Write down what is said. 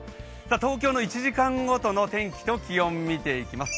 東京の１時間ごとの天気と気温見ていきます。